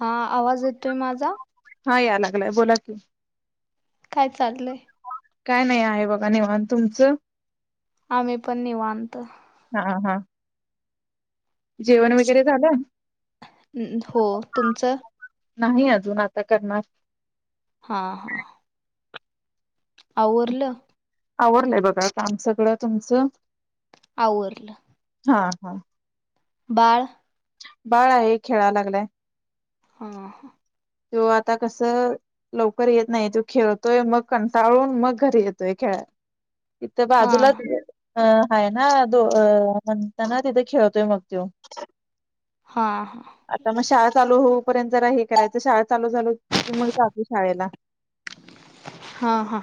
हा आवाज येतोय माझा हा यायला लागलाय बोला की काय चाललंय काय नाही आहे बघा निवांत तुमचं आम्ही पण निवांत हा हा जेवण वगैरे झालं? हो तुमचं नाही अजून आता करणार हा हा आवरलं आवरलंय बघा काम सगळं तुमचं आवरलं हा हा बाळ बाळ आहे खेळायला लागलय हा त्यो आता कसं लवकर येत नाही तो खेळतोय मग कंटाळून मग घरी येतोय खेळाय इथं बाजूलाच हा अं आहे ना दो अ म्हणताना तिथे खेळतोय मग त्यो हा हा आता मग शाळेत चालू होऊपर्यंत जरा हे करायचं शाळा चालू झाली की मग जातोय शाळेला हा हा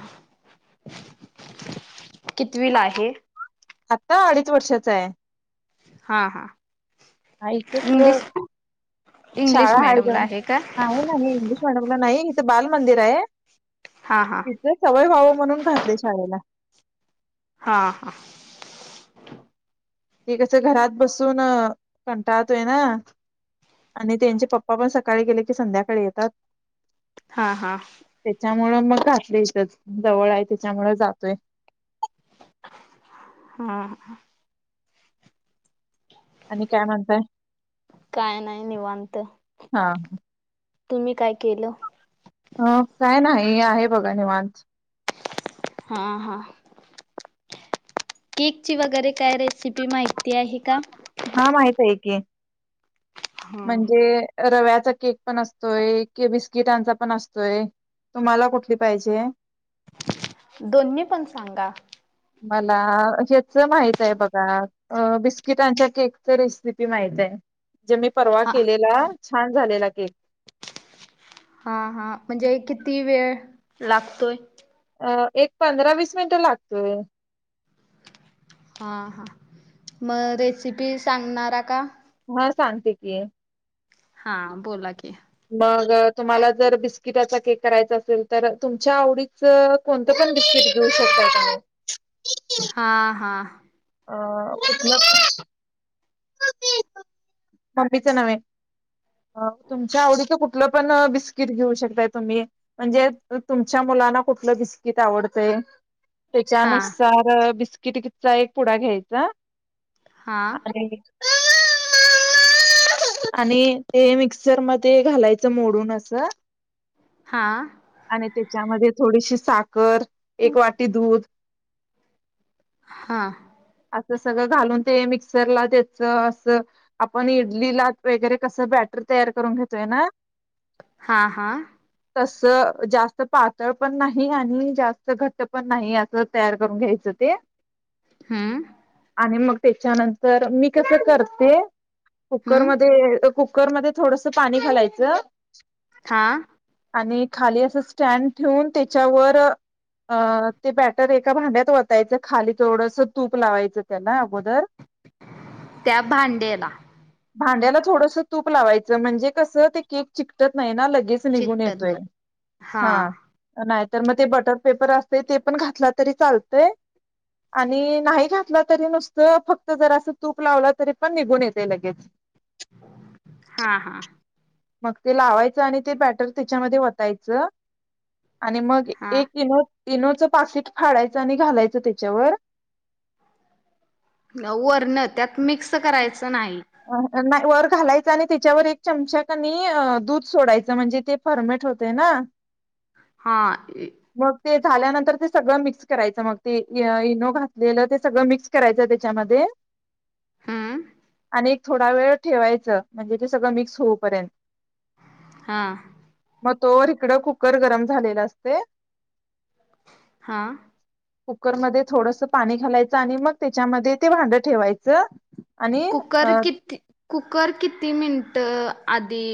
कितवी ला आहे आता अडीच वर्षाचाय हा हा आहे इथेच इंग्लिश इंग्लिश शाळा हाय मॅडमला आहे का आहे ना इंग्लिश मिडीयम नाही इथं बाल मंदिर आहे हा हा इथे सवय व्हाव म्हणून म्हणून घातलय शाळेला हा हा ते कसं घरात बसून कंटाळतोय ना आणि त्यांचे पप्पा पण सकाळी गेले की संध्याकाळी येतात हा हा त्यामुळे मग घातलय इथंच जवळ आहे त्याच्यामुळं जातोय हा आणि काय म्हणताय काय नाही निवांत हा तुम्ही काय केलं अं काय नाही आहे बघा निवांत हा हा केक ची वगैरे काय रेसिपी माहिती आहे का हा माहितये की. हा म्हणजे रव्यात केक पण असतोय कि बिस्किटांचा पण असतोय तुम्हाला कुठली पाहिजेय? दोन्ही पण सांगा. मला ज्याचं माहित आहे बघा आ बिस्किटांच्या केक च रेसिपी माहितये. जे मी परवा हा केलेला छान झालेला [inaudible] केक हा हा म्हणजे किती वेळ लागतोय? अ एक पंधरा वीस मिनिट लागतोय. हा हा मग रेसिपी सांगणारा का? हा सांगते की. हा बोला की. मग तुम्हाला जर बिस्किटाचा केक करायचा असेल तर तुमच्या आवडीच कोणत पण बिस्किट घेऊ शकता तुम्ही. हा हा अ उतल ममीच नव्हे तुमच्या आवडीच कुठल पण बिस्किट घेऊ शकताय तुम्ही म्हणजे तुमच्या मुलांना कुठल बिस्किट आवडतय हा त्याच्यानुसार बिस किती कितचा एक पुडा घ्यायचा. हा [unintelligible] आले आ. आ. वापर करण्यासाठी आणि ते मिक्सर मध्ये घालायच मोडून अस हा. आणि त्याच्यामध्ये थोडीशी साखर, एक वाटी दूध हा. अस सगळ घालून ते मिक्सरला द्यायच अस आपण इडलीला वगैरे कस बॅटर तयार करून घेतोय ना हा हा तस जास्त पातळ पण नाही आणि जास्त घट पण नाही अस तयार करून घ्यायच ते हमम. आणि मग त्याच्यानंतर मी कस करते हम्म कुकरमध्ये कुक कुकरमध्ये थोडस पाणी घालायच हा आणि खाली अस स्टँड ठेऊून त्याच्यावर अ ते बॅटर एका भांड्यात वतायच खाली थोडस तूप लावायच त्याला अगोदर त्या भांड्येला. भांड्याला थोडस तूप लावायच म्हणजे कस ते केक चिकट नाइ ना लगेच निघून येतोय, चिकटन हा नाही तर मग ते बटर पेपर असते ते पण घातला तरी चालतय आणि नाही घातल तरी नुसत फक्त जर अस तूप लावल तरी पण निघून येतय लगेच. हा हा. मग ते लावायच आणि ते बॅटर त्याच्यामध्ये वतायच आणि मग हा एकी न इनोचं पाकिट फाडायचं आणि घालायचं त्याच्यावर वरण त्यात मिक्स करायचं ं नाही नाही वर घालायच आणि त्याच्यावर एक चमचा कनी दूध सोडायचं म्हणजे ते फर्मेट होतेय ना हा मग ते झाल्यानंतर ते सगळं मिक्स करायचं मग ते इनो घातलेलं ते सगळं मिक्स करायचं त्याच्यामध्ये हम थोडा वेळ ठेवायच म्हणजे ते सगळं मिक्स होऊपर्यंत हा मग तोवर इकडं कुकर गरम झालेलं असतय हा कुकरमध्ये थोडस पाणी घालायचं आणि मग त्याच्यामध्ये ते भांडं ठेवायचं आणि कुकर किती कुकर किती मिनट त आधी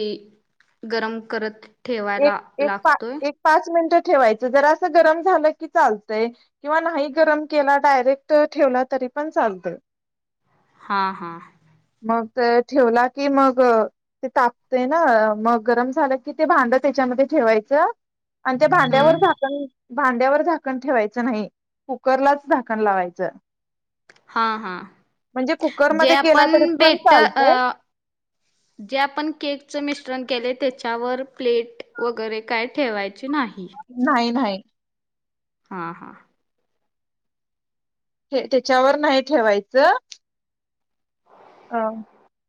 गरम करत ठेवायला एक एक पा लागतोय पाच मिनिट ठेवायच जरास गरम झालं की चालतय, किंवा नाही गरम केला डायरेक्ट ठेवला तरी पण चालतय हा हा मग ते ठेवला की मग ते तापते ना मग गरम झालं की ते भांडत त्याच्यामध्ये ठेवायच आणि त्या भांड्यावर हम्म झाकण भांड्यावर झाकण ठेवायचं नाही कुकरलाच झाकण लावायचं हा हा म्हणजे जे कुकरमध्ये केला आपण तरी पण भेट चालतय जे अ आपण केक मिश्रण केल त्याच्यावर प्लेट वगैरे काय ठेवायच नाही नाही हा हा हे त्याच्यावर नाही ठेवायचं अ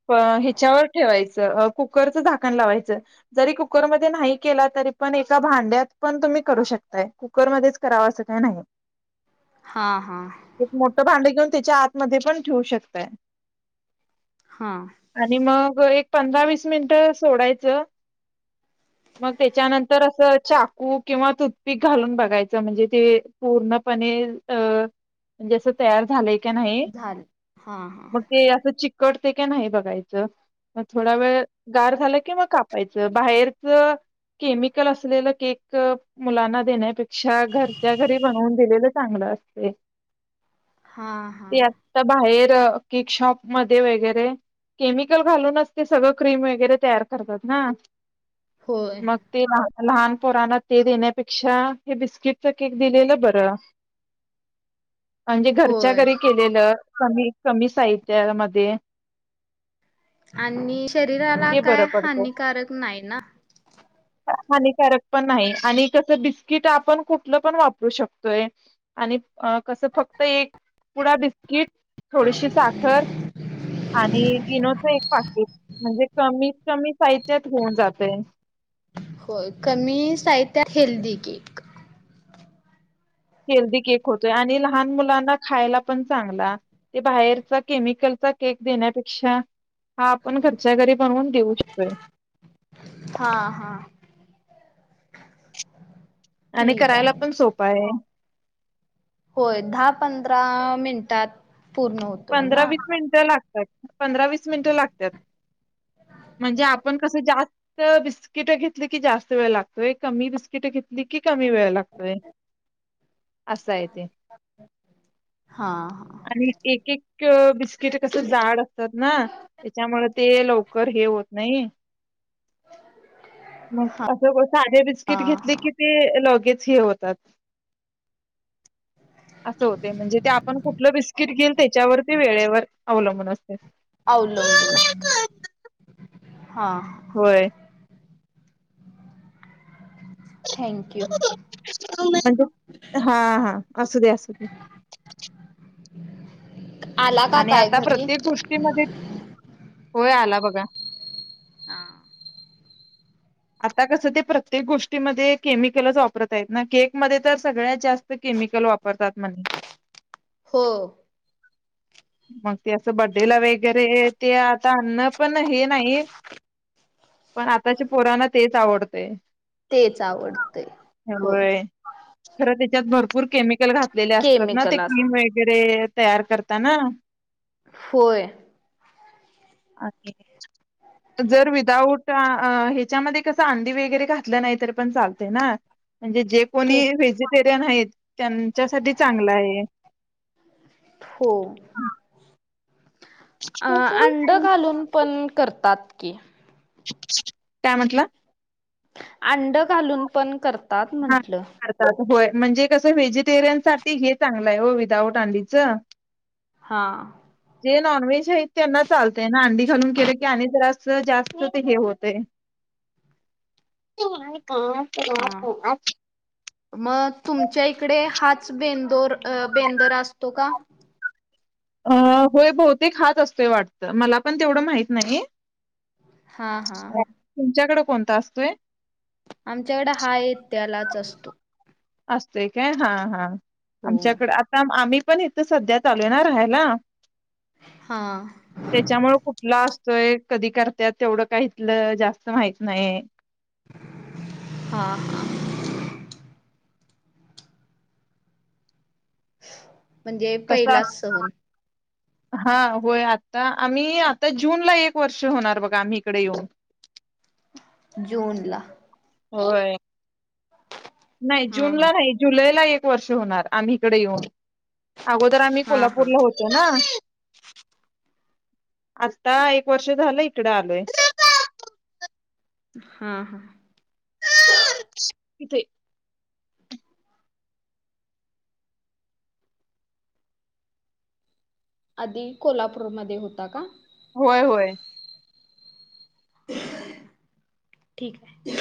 प ह्याच्यावर ठेवायचं कुकरचं झाकण लावायचं, जरी कुकरमध्ये नाही केला तरी पण एका भांड्यात पण तुम्ही करू शकताय कुकरमध्येच कराव असं काही नाही. हा हा एक मोठं भांड घेऊन त्याच्या आतमध्ये पण ठेवू शकताय हा आणि मग एक पंधरा वीस मिनिट सोडायचं, मग त्याच्यानंतर असं चाकू किंवा तुत्पीक घालून बघायचं म्हणजे ते पूर्णपणे अ म्हणजे अस तयार झाले, झालं हा हा त चिकटते की नाही बघायचं थोडा वेळ गार झालं कि, मग कापायचं बाहेरच केमिकल असलेलं केक मुलांना देण्यापेक्षा घरच्या घरी बनवून दिलेलं चांगलं असतय. हा हा ते आता बाहेर त केक शॉप मध्ये वगैरे केमिकल घालूनच ते सगळं क्रीम वगैरे तयार करतात ना, होय मग ते लहान पोराना ते देण्यापेक्षा, हे बिस्किटचा केक दिलेलं बरं. अगदी घरच्या होय घरी केलेलं. कमी कमी. हित्यामध्येध्ये. आणि शरीराला काय बरं पडतं. हानिकारक नाही ना. हानिकारक पण नाही, आणि कसं बिस्किट आपण कुठलं पण वापरू शकतोय, आणि अ कसं फक्त एक पुढा दिस. कि थोडीशी चाक. साखर आणि इनोच एक पाकट म्हणजे, कमीत कमी साहित्यात होऊन जातय. होय कमी साहित्या हेल्दी केक. हेल्दी केक होतोय, आणि लहान मुलांना खायला पण चांगला ते बाहेरचा केमिकलचा केक देण्यापेक्षा, हा आपण घरच्या घरी बणून देऊ शकतोय. हा हा आणि ठीक करायला आहे पण सोपा आहे. होय दहा पंधरा मिनिटात. पूर्ण होतोय पंधरा ना वीस मिनिटं लागतात. पंधरा वस मिनट लागत, म्हणजे आपण कस जास्त बिस्किट घेतली, की जास्त वेळ लागतो, कमी बिस्किट नखकी कमी वेळ लागतोय. असाय ते. हा हा आणि एक एक बिस्किट कसं जाड असतात ना त्याच्यामुळे ते लवकर हे होत नाही. म असं साधे हा बिस्किट घेतली हा कि ते ल हेच हे होतात. असं होतय, म्हणजे ते आपण कुठलं बिस्किट घील. तेच्यावरती वेळेवर अवलंबून असत. अवलंबून असत. हा. होय. थँक्यू म्हणजे हा हा असू दे असू दे. आला का आणि काय आता घरी प्रत्येक गोष्टीमध्ये होय आलाव बघा. हा आता कसं ते प्रत्येक गोष्टीमध्ये केमिकलच वापरत आहेत ना, केकमध्येतर सगळ्यात जास्त केमिकल वापरतात म्हटल. हो. माज ते असं बड्डेला वेंगेरे. ते आता आनन पण हे नाही, पण आताची पो. पोरांना तेच आवडतय. तेच आवडतय, हो. खरं तेच्यात भरपूर केमीक कल घातलेले असतात ना ते केमिकल अस क्रीम वेगेरे. तयार करता ना? होय. जर विदाउट आ हे त्याच्यामध्ये कस अंडी वगैरे घातलं नाही तर पण चालतंय ना. म्हणजे जे कोणी केक व्हेजीटे ते नाहीत. त्यांच्यासाठी चांगलं हाय हे. हो अ अंड घालून पण करतात. कीं काय म्हटला? अंड घालून पण कर तात हा म्हंटलं. करतात होय, म्हणजे कसं व्हेजिटेरियन साठी हे चांगलं हाय ओ, विदाऊट अंडीच. हा. जे नॉनव्हेज आहेत त्यांना चालतय ना, अंडी घालून केलं की आणि जरास जास्त ते होतय. हा. हा. हा फोनात मग तुमच्या इकडे हाच बेंदोर, बेंदर असतो का? अ होय बहूतेक हाचं असतोय वाटतं, मला पण तेवढं माहित नाही. हा हा तुमच्याकडे? कोणता असतोय? आमच्याकडे हा येत्यालाच असतो. असते काय? हा हा. हो. आमच्याकडे आता, आम्ही पण इथ सध्या चालू येणार हाय नां? हा त्याच्यामुळे कुठला अस तो एक कधी करत्यात तेवढं काही इथलं जास्त माहित नाही. हा हा. [inaudible] म्हणजे पहिलाच कसं सहन हा, होय. आता आम्ही आता जूनला एक वर्ष होणार बघा आम्ही हिकडं येऊन. जूनला होय. नाही हा जून हा ला नाही जुलैला वर्ष होणार आम्हीकडे येऊन अगोदर आम्ही हा हा. कोल्हापूरला होतोय ना आता एक वर्ष झालं इकड आलोय हा हा किथे आधी कोल्हापूरमध्येध्ये होता का होय होय ठीक आहे